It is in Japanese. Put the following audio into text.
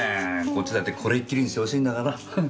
こっちだってこれっきりにしてほしいんだから。